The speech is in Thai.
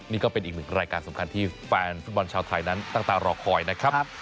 นี่ก็เป็นอีกหนึ่งรายการสำคัญที่แฟนฟุตบอลชาวไทยนั้นตั้งตารอคอยนะครับ